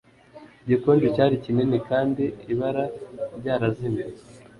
igikonjo cyari kinini kandi ibara ryarazimye